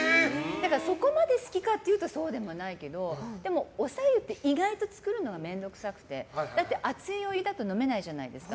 そこまで好きかっていうとそうでもないけどでもお白湯って意外と作るのが面倒くさくてだって、熱いお湯だと飲めないじゃないですか。